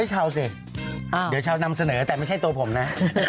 เฮ้ยเช่าสิเดี๋ยวเช้านำเสนอแต่ไม่ใช่ตัวผมนะ